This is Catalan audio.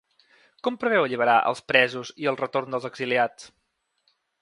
Com preveu alliberar els presos i el retorn dels exiliats?